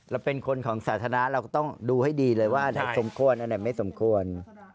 เราเป็นคนของสาธารณะเราก็ต้องดูให้ดีเลยว่าอันไหนสมควรอันไหนไม่สมควร